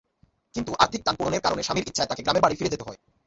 কিন্তু আর্থিক টানাপোড়েনের কারণে স্বামীর ইচ্ছায় তাঁকে গ্রামের বাড়ি ফিরে যেতে হয়।